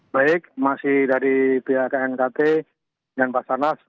baik masih dari bkk knkt dan pak sanas